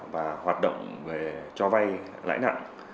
và hoạt động cho vay lãi nặng